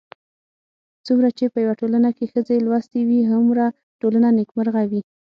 څومره چې په يوه ټولنه کې ښځې لوستې وي، هومره ټولنه نېکمرغه وي